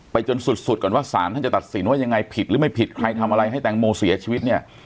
จนสุดก่อนว่าสารท่านจะตัดสินว่ายังไงผิดหรือไม่ผิดใครทำอะไรให้แตงโมเสียชีวิตเนี่ย